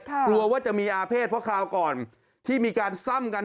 กลัวว่าจะมีอาเภษเพราะคราวก่อนที่มีการซ่ำกัน